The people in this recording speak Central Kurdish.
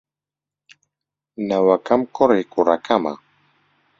نەوەکەم کوڕی کوڕەکەمە.